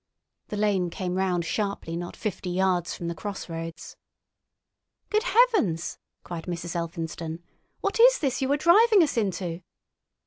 The lane came round sharply not fifty yards from the crossroads. "Good heavens!" cried Mrs. Elphinstone. "What is this you are driving us into?"